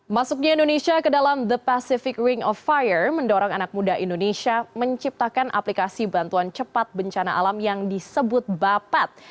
masuknya indonesia ke dalam the pacific ring of fire mendorong anak muda indonesia menciptakan aplikasi bantuan cepat bencana alam yang disebut bapat